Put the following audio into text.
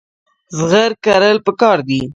زغر کرل پکار دي.